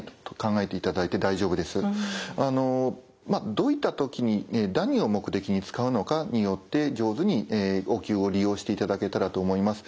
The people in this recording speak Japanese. どういった時に何を目的に使うのかによって上手にお灸を利用していただけたらと思います。